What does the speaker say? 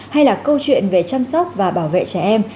hay là câu chuyện về chăm sóc và bảo vệ trẻ em